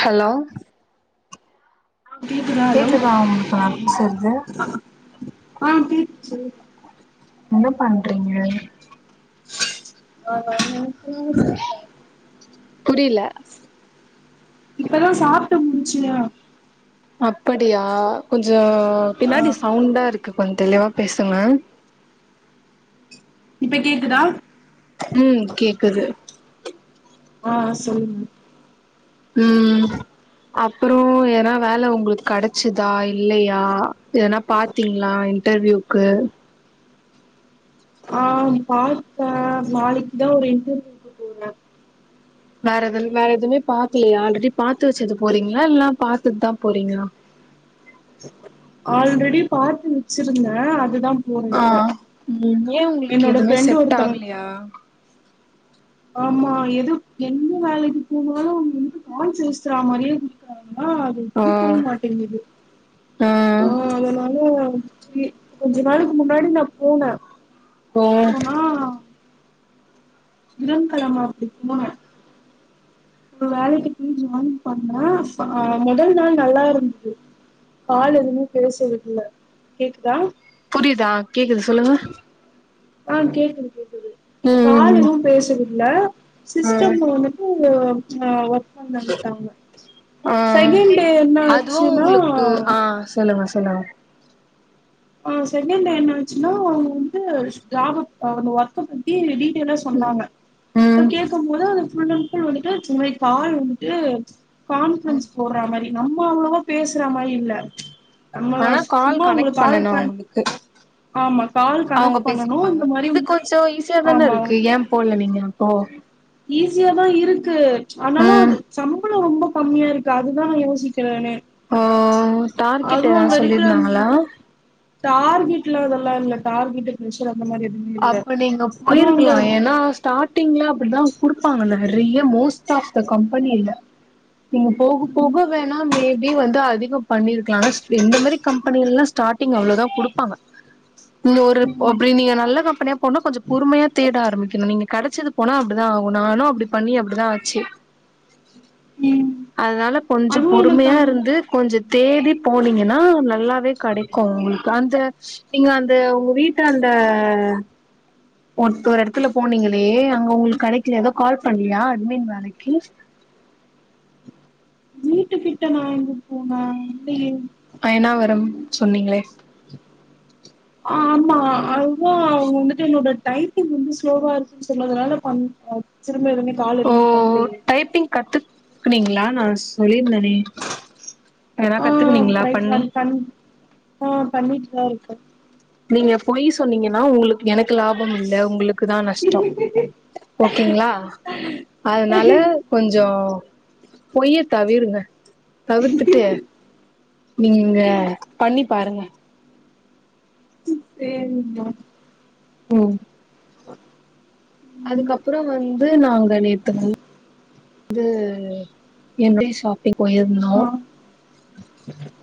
Hello கேக்குதா hello உங்களுக்கு நா பேசுறது அ கேக்குது சொல்லுங்க என்ன பண்றீங்க ஆ ச [unintelligible] புரில இப்பதா சாப்ட்டு முடுச்சியா அப்டியா கொஞ்சோம் ஆ பின்னாடி சவுண்டா இருக்கு கொஞ்சோம் தெளிவா பேசுங்க இப்ப கேக்குதா உம் கேக்குது ஆ சொல்லுங்க உம் அப்றோம் ஏன்னா வேலை உங்களுக்கு கெடச்சுதா இல்லையா ஏதனா பா பாத்தீங்களா இன்டர்வியூக்கு ஆ பாத்தே நாளைக்கு தா ஒரு இன்டர்வியூ வேற எத வேற எதுவுமே பாக்லயா ஆல்ரெடி பாத்து வச்சுட்டு போறீங்ளா இல்லாம பாத்ததுதா போறீங்ளா ஆல்ரெடி பாத்து வச்சுருந்தேன் அதுதா போறே ஆ இப்ப என்னோட ஃப்ரெண்டு ஒருத்தவங் யா ஆமா எது எந்த வேலைக்கு போனாலு அவங்க வந்துட்டு கால் பேசுற மாரியே குடுத்தாங்ளா ஆ எப்டி போய் மாட்டேங்குது ஆ அதனால கி கொஞ்ச நாளுக்கு முன்னாடி நா போனே ஓ போனா புதன்கெழம அப்டி போன அப்றோ வேலைக்கி போய் ஜாயின் பண்ணே அ முதல் நாள் நல்லா இருந்தது கால் எதுவுமே பேச விட்ல கேக்குதா புரியுதா கேக்குது சொல்லுங்க ஆ கேக்குது கேக்குது கால் ம் எதுவு பேச விட்ல ம் சிஸ்டம்ல வந்துட்டு டு ஆ ஒர்க் கு தந்துட்டாங்க ஆ செகண்ட் டே என்ன ஆச்சினா சொல்லுமா சொல்லு ஆ செகண்ட் டே என்னாச்சினா அவங்க வந்ட்டு ஜாப்ப ஆ அந்த ஒர்க்க பத்தி டீடைலா ம் சொன்னாங்க இப்ப ம் கேட்கம் போது அது ஃபுல் ஆன்ட் ஃபுல் வந்துட்டு இந்த மாரி கால் வந்துட்டு ம் கான்ஃப்ரென்ஸ் போடுறா மாரி நம்ம அவ்ளோவா பேசுற மாரி இல்ல நம்ம ஆனா கால் சும்மா அவங்களுக் கனெக்ட் கால் பண்ணனு பண் அவங்களுக்கு ஆமா கால் அவங்க கனெக்ட் பண்ணனு பேசிப்பாங்க இந்த மாரி இது கொஞ்சோ ஈஸியாதான ஆமா இருக்கு ஏ போல நீங்க ஓ ஈஸியாதா இருக்கு ஆனாலு ம் அது சம் பளோ ரொம்ப கம்மியா இருக்கு அதுதா நா யோசிக்கிறனே ஓ டார்கெட் அதுவு அங்க எதாவது இருக்குற அந்த சொல்லிருந்தாங்களா டார்கெட்லா அதெல்லா இல்ல டார்கெட்டு பிரஷர் அந்த மாரி எதுவு அப்ப நீங்க பொயிருக்கலா ஏனா டாட்டிங்ல அப்டிதா குடுப்பாங்க நெறைய மோஸ்ட் ஆஃப் த கம்பெனில நீங்க போக போக வேணா மேபி வந்து அதிகோ பண்ணிருக்லா ஆனாஸ் இந்த மாரி கம்பெனிலலா ஸ்டார்ட் டிங் அவ்ளோதா குடுப்பாங்க நீங்க ஒரு ஒ அப்டி நீங்க நல்லா கம்பெனியா போணுனா கொஞ்சோ பொறுமையா தேட ஆரம்பிக்கணு நீங்க கெடச்சது போனா அப்டிதா ஆகு நானு அப்டி பண்ணி அப்டிதா ஆச்சி ம் அதுனால கொஞ்சோ அதுவு எனக்கு பொறுமையா அங் இருந்து கொஞ்சோ தேடி போனீங்கனா நல்லாவே கெடைக்கு உங்களுக்கு அந்த நீங்க அந்த உங்க வீட்டாண்ட ஒருத் ஒரு எடத்துல போனீங்களே அங்க உங்களுக் கெடைக்லியா ஏதோ கால் பண்லியா அட்மின் வேலைக்கி வீட்டு கிட்ட நா எங்க போனே இல்லையே அயனாவரம் சொன்னீங்களே ஆ ஆமா அதுதா அவங்க வந்துட்டு என்னோட டைப்பிங் வந்து ஸ்லோவா இருக்குன் சொன்னதுனால பண் அ திரும்ப எதுமே கால் ஓ எதுமே பண்லையே டைப்பிங் கத்துக் குனீங்களா நா சொல்லிருந்தனே எதனா ஆ கத்துக்குனீங்ளா ட்ரை பண்ணி பண் பண் ஆ பண்ணிட்டுதா இருக்கே நீங்க பொய் சொன்னீங்கனா உங்களுக் எனக்கு லாப் பமில்ல உங்களுக்கு தா நஷ்டோ இருக்கேன். ஓகேங்ளா அதனால கொஞ்சோ பொய்ய தவிருங்க தவிர்த்துட்டு நீங்க பண்ணி பாருங்க சேரிங்கோ ம் [inaudible] அதுக்கப்றோ வந்து நாங்க நேத்து வந் இது எப்டி ஷாப்பிங் போயிருந்தோ ஆ.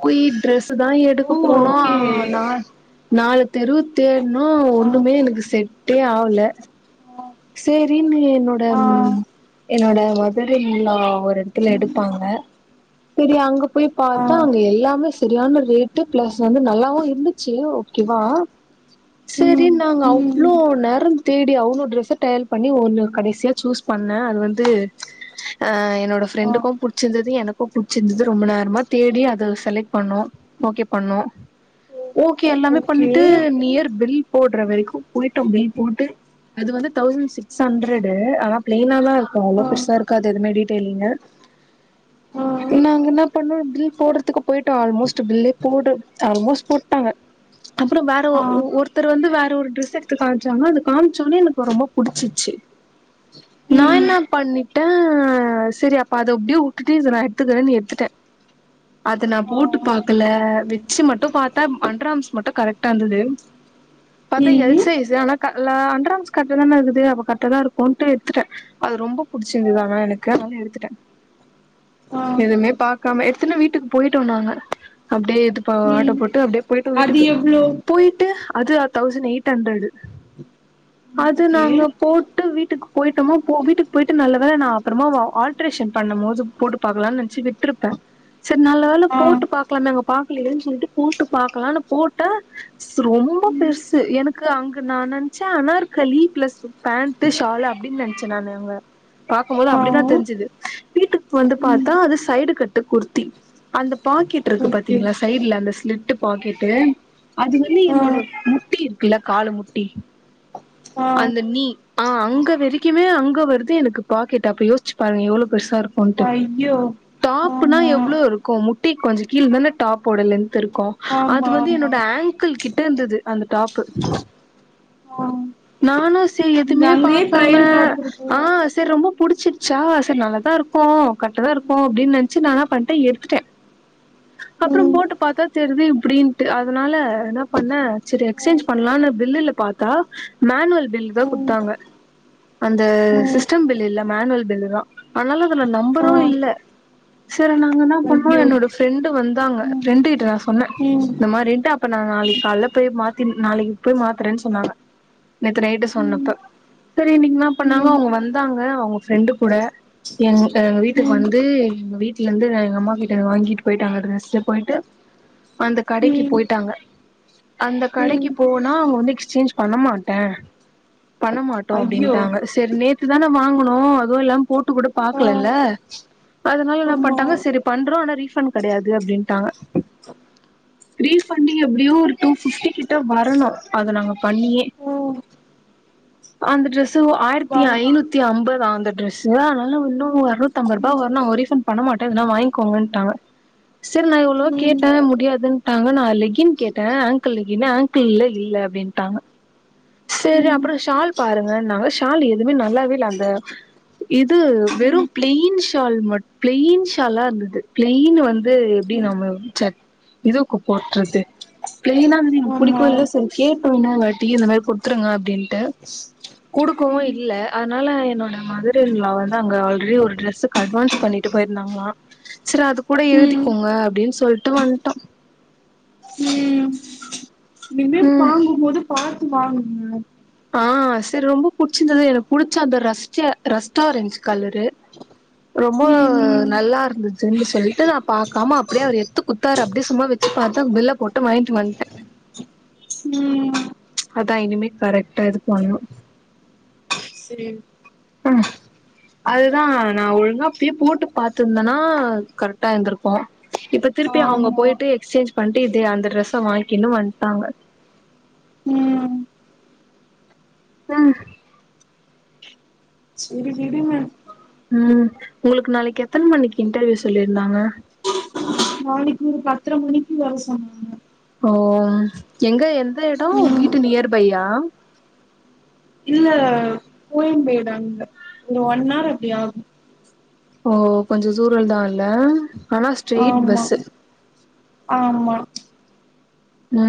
போயி ட்ரெஸ்சு தா எடுக்க ஓ! போனோ ஓகே. ஆனா நா நாலு தெருவ தேட்னோ ஆ, ஒண்ணுமே எங்குளுக்கு செட்டே ஆவுல ஆ சேரின்னு என்னோட ஆ, என்னோட மதர் ன் லா வ எடத்துல எடுப்பாங்க செரி அங்க போய் ஆ. பாத்தா அங்க எல்லாமே சரியான ரேட்டு பிளஸ் வந்து நல்லாவு இருந்துச்சு ஓகேவா சேரி ம், நாங்க ம், அவ்ளோ ம். நேரோ தேடி அவ்ளோ ட்ரெஸ ட்ரெயல் பண்ணி ஒண்ணு கடசியா சூஸ் பண்ணே அது வந்து ஆ என்னோட ஆ. ஃப்ரெண்டுக்கு புடிச்சிருந்தது எனக்கோ புடிச்சிருந்தது ரொம்ப நேரமா தேடி அத செலக்ட் பண்ணோ ஓகே பண்ணோ ஓகே எல்லாமே ஓகே. பண்ணிட்டு நியர் பில் போடுற வெரீக்கோ போயிட்டோ பில் போட்டு அது வந்து தௌசண்ட் சிக்ஸ் ஹண்ட்ரடு ஆனா பிளைனாதா இருக்கோ ஆ, அவ்ளோ பெருசா இருக்காது எதுமே டீட்டெயில்லுங்கு ஆ, நாங்க என்னா பண்ணோ பில் போடுறதுக்கு போயிட்டோ ஆல்மோஸ்ட் பில்லே போடு ஆல்மோஸ்ட் போட்டாங்க அப்றோ வேற ஒ ஆ. ஒ ஒருத்தர் வந்து வேற ஒரு ட்ரெஸ்ச எடுத்து காம்ச்சாங்கா அது காம்ச்சோனே எனக்கு ரொம்போ புடிச்சிச்சு நா ம். என்னா பண்ணி ட்ட செரி அப்ப அத அப்டியே உட்டுட்டு இத நா எத்துக்கிறேன்னு எத்துட்டே அத நா ஆ. போட்டு பாக்குல வெ ச்சு மட்டு பாத்தா அண்டுராம்ஸு மட்டு கரெக்டா இர்ந்தது பாத்தா எல் ம். சைஸ்ஸு ஆனா அண்டுராம்ஸு கர்ட்டாதான இருக்குது அப்ப கர்ட்டாதானே இருக்கோன்ட்டு எத்துட்டே அது ரொம்ப ஆ, புடிச்சிர்ந்துது ஆனா எனக்கு அதனால எடுத்துட்டே ஆ. எதுமே பாக்காம எடுத்துன வீட்டுக்கு போய்ட்டோ நாங்க அப்டியே இதுப்ப ஆட்டோ ம். போட்டு அப்டியே போயட்டோ அது வீட்டுக்கு எவ்ளோ? போயிட்டு அது ஆ தௌசண் எய்ட் ஹண்ரடு ம். அது ஓகே. நாங்கப் போட்டு வீட்டுக்கு போயிட்டமா போ வீட்டுக்கு போயிட்டு நல்லவேல நா அப்றமா வ ஆல்ட்ரேஷன் பண்ணமோது போட்டு பாக்கலானு நென்ச்சி விட்ருப்ப செரி நல்ல வேல ஆ. போட்டு பாக்லான்னாங்க பாக்லயேனு சொல்ட்டு போட்டு பாக்லான்னு போட்ட ரொம்ப பெர்சு எனக்கு அங்க நா நென்ச்ச அனார்க் களி பிளஸ் பேண்ட்டு ஷாலு அப்டீன்னு நென்ச்ச நானு அங்க பாக்கும்போது ஆ அப்டிதா தெர்ஞ்சுது வீட்டுக்கு வந்து ம் பாத்தா அது சைடு கட்டு குர்த்தி அந்த பாக்கிட்ருக்கு ஓகே பாத்தீங்ளா சைடுல அந்த ஸ்லிட்டு பாக்கெட்டு அது வந்து ஆ என்னோட முட்டி இருக்குல்ல காலு முட்டி ஆ அந்த நீ ஆ அங்க வெரிக்குமே அங்க வருது எனக்கு பாக்கெட்டு அப்ப யோஸ்ச்சி பாருங்க எவ்ளோ பெர்சா இர்க்கோ ன்ட்டு ஐயோ டாப்னா ஆமா எவ்ளோ இர்க்கோ முட்டிக் கொஞ்சோ கீழ தான டாப்போட லென்த்து இருக்கோ அது ஆமா வந்து ஆமா என்னோட ஆங்க்கிள் கிட்ட இர்ந்தது அந்த டாப்பு ஆ நானு செரி இங்க எதுவுமே அங்கயே பாக்காம ட்ரையல் பாத்துருக்கோ ஆ செரி ரொம்போ புடிச்சிச்சா செரி நல்லதா இருக்கோ கர்ட்டாதா இருக்கோ அப்டீன் நென்ச்சி நானான்னா பண்ட்டே எடுத்துட்டே அக்கப்றோ ம் போட்டு பாத்தா தெர்து இப்டின்ட்டு அதனால இன்னா பண்ண செரி ம் எக்ஸ்சேஞ்ச் பண்லான்னு பில்லுல பாத் த்தா மேனுவல் பில் தா ம் குட்த்தாங்க அந்த ம் சிஸ்டம் பில்லு இல்ல மேனுவல் பில்லு தா ஆனாலு இதுல ஆ நம்பரோ இல்ல செரி நாங்க இன்னா பண்ணோ ஐயோ என்னோட ஃப்ரெண்டு வந்தாங்க ம் ஃப்ரெண்டு கிட்ட நா சொன்ன ம் இந்த மாரின்ட்டு இப்ப நா நாளிக்கால்ல போய் மாத்தின் நாளிக்கு போய் மாத்றேன் சொன்னாங்க நேத்து நைட்டு ம் சொன்னப்போ செரி இன்னிக்கி இன்னா பண்ணாங்க ம் அவுங்க வந்தாங்க அவுங்க ஃப்ரெண்டு கூட என் எங்க வீட்டுக்கு ம் வந்து எங்க வீட்லந்து எங்க அம்மா கிட்ட வாங்கிட்டு போய்டாங்க ட்ரெஸ்ஸு போய்ட்டு அந்த கடைக்கு ம் போய்ட்டாங்க அந்த ம் கடைக்கு போனா அவ வந்து எக்ஸ்சேஞ் பண்ணமாட் ட்ட பண்ண மாட்டோ ஐயோ அப்டின்ட்டாங்க செரி நேத்து தான வாங்கனோ அதுவு இல்லாம போட்டு கூட ஆ பாக்கலல்ல அதனால இன்னா ஆமா பண்ட்டாங்கோ சரி பண்றோ ஆனா ரீஃபண்ட் கெடயாது அப்டின்ட்டாங்க ரீஃபண்ட் எப்டியோ ஒரு டூஃபிஃப்டி கிட்ட வரணோ அத நாங்க பண்ணியே ஆ அந்த ட்ரெஸ்ஸு ஆயிரத்தி வர ஐநூத் த்திஅம்பதா அந்த டிரெஸ்ஸு அதனால இன்னு அறுநூத்தி அம்பதுரூபா ம் வரனோ அவங் ரீஃபண்ட் பண்ண மாட்ட இல்னா வாய்ங்கோக்கங்கன்ட்டாங்க செர் நா எவ்ளோ ம் கேட்ட முடியாதுன்ட்டாங்க நா லெகின் கேட்ட ஆங்கல் லெகினு ஆங்க் ல்ல இல்ல அப்டின்ட்டாங்க செரி ம் அப்றோ ஷால் பாருங்கன்னாங்க ஷால் எதுவுமே நல்லாவே இல்ல அந்த இது வெறும் ம் பிலைன் ஷால் மட் பிலைன் ஷாலா இருந்தது பிளைன் வந்து எப்டி ம், நம்ம சர்ச் இதுக்கு போட்றது பிளைனா ம் ஆமா பிடிக்கும்ல்ல சரி கேட்டோ இன்னோர்வாட்டி இந்த மாரி குட்துருங்கோ அப்டின்ட்டு குடுக்கவு ம் இல்ல அதனால என்னோட மதரின்லா வந்து அங்க ஆல்ரெடி ஒரு ட்ரெஸ்ஸுக்கு அட்வான்ஸ் பண்ணிட்டு போயிருந்தாங்ளா சரி அது கூட ம் எழுதிக்கோங்க அப்டின் சொல்ட்டு வந்ட்டோ ம் இனிமே ம் வாங்கும் போது பாத்து வாங்குங்க ஆ சரி ரொம்ப புடிச்சிருந்தது எனக்கு புடிச்சா அந்த ரஸ்ட்ட ரஸ்ட் ஆரஞ்ச் கலரு ரொம்ப ம் ம் நல்லா இருந்துச்சுன்னு சொல்லிட்டு நா பாக்காம அப்டியே அவர் எத்து குத்தாரு அப்டியே சும்மா வெச்சு பாத்தா பில்ல போட்டு வாய்ங்ட்டு வந்ட்ட ம் அதா இனிமே கரெக்ட்டா இது பண்ணோ செரி அ அதுதா நா ஒழுங்கா அப்பயே போட்டு பாத்திருந்தன்னா கரெக்டா இருந்திருக்கோ இப்ப திருப்பி அவங்க ஆமா போயிட்டு எக்ஸ்சேஞ்ச் பண்ட்டு இது அந்த டிரெஸ்ஸ வாய்ங்கின்னு வந்ட்டாங்க ம் ஏங்க சரி விடுங்க ஆமா உங்களுக்கு நாளைக்கு எத்தன் மணிக்கு இன்டர்வியூ சொல்லியிருந்தாங்க நாளைக்கு ஒரு பத்ர மணிக்கு வர சொன்னாங்க ஓ எங்க எந்த எடம் ம் வீட்டு நியர் பையா இல்ல கோயம்பேடு அங்க ஒரு ஒன் ஹவர் அப்டி ஆகும் ஓ கொஞ்சோ ஜூரோம்தா ல ஆமா ஆமா ஆமா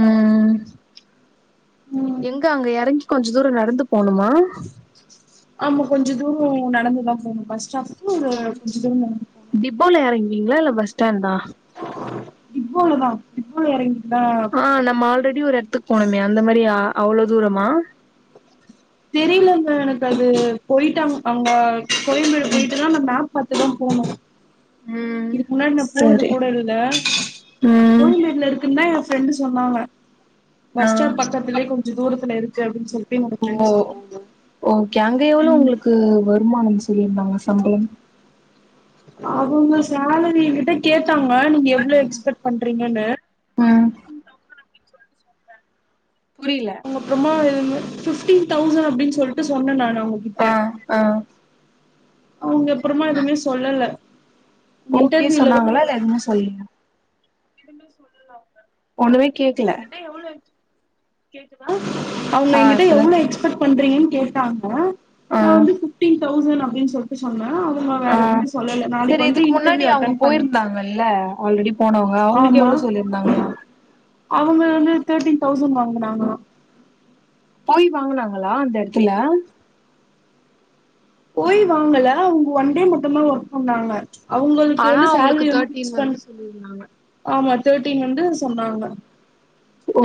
ம் எங்க அங்க எறங்கி கொஞ்ச தூரம் நடந்து போணுமா ஆமா கொஞ்ச தூரம் நடந்துதா போனோ பஸ் ஸ்டாப்புக்கு கொஞ்ச தூரம் நடந் டிப்போல எறங்குவீங்ளா இல்ல பஸ் ஸ்டாண்டா ப்போலதா டிப்போல எறங்கிர்ந்தா ஆ நம்ம ஆல்ரெடி ஒரு எடத்துக் போனுமே அந்த மாரியா அவ்ளோ தூரமா தெரிலமா எனக்கது போய்ட்டாங்க அவுங்க கோயம்பேடு போய்ட்டுதா அந்த மேப் பாத்துதா போணு ம் இதுக்கு முன்னாடி நா போனது சரி கூட இல்ல ம் கோயம்பேட்ல இருக்குந்தா எ ஃப்ரெண்டு சொன்னாங்க ஆ பஸ் ஸ்டாப் பக்கத்துலே கொஞ்ச தூரத்துல இருக்கு அப்பின் சொல் ஓ ஓகே அங்க எவ்வளோ உங்களுக்கு வருமானம் சொல்லியிருந்தாங்க சம்பளம் அவுங்க சேலரி எங்கிட்ட கேட்டாங்க நீங்க எவ்ளோ எக்ஸ்பெட் பண்றீங்கன்னு அ புரில அப்றமா இது மாரி ஃபிஃப்டீன் தௌசண் அப்டின் சொல்ட்டு சொன்னே நானு ஆ அவுங்ககிட்ட ஆ அவுங்க அப்புறமா எதுமே சொல்லல ஓகே இன்டர்வியூலதா சொன்னாங்களா இல்ல எதுமே சொல்லியா எதுமே சொல்லல அவுங்க ஒண்ணுமே கேக்கல க எவ்ளோ எக்ஸ் கேக்குதா அவுங்க ஆ எங்கிட்ட இப்பதா எவ்ளோ கே எக்ஸ்பெட் பண்றீங்கன் கேட்டாங்க ஆ நா வந்து ஃபிஃப்டீன் தௌசண் அப்டின் சொன் போய் சொன்னே அவுங்க ஆ வேற எதுமே சொல்லல நாளைக் வந்து இன்டர்வியூ அட்டன் பண்ண இல ஆல்ரெடி போனவங்க அவுங்களுக்கு எவ்ளோ சொல்லிருந்தாங்களா அவுங்க வந்து தேட்டின் தௌசண் வாங்குனாங்களா போய் வாங்கனாங்களா அந்த எடத்துல போய் வாங்கல அவுங்க ஒன் டே மட்டுந்தா ஒர்க் பண்ணாங்க அவுங்களுக்கு ஆனா வந்து அவங்களுக்கு சேலரி வந்து தேர்ட்டீன் ஃபிக்ஸ் பண் சொல்லியிருந்தாங்க ஆமா தேட்டின் வந்து சொன்னாங்க ஓ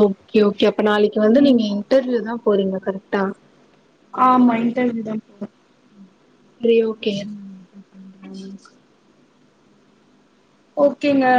ஓகே ஓகே அப்ப நாளைக்கு வந்து நீங்க ம் இன்டர்வியூதா போறீங்க கரெக்டா ஆமா இன்டர்வ்யூதா பேறே செரி ஓகே இருங்க நா அப்ற பண்றே [unintelligible] ஓகேங்க